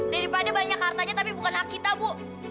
daripada banyak hartanya tapi bukan hak kita bu